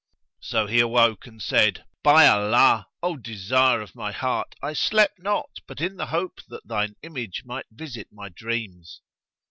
So he awoke and said, "By Allah, O desire of my heart, I slept not but in the hope that thine image might visit my dreams!"